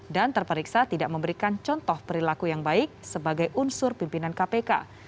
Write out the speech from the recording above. dan terperiksa tidak memberikan contoh perilaku yang baik sebagai unsur pimpinan kpk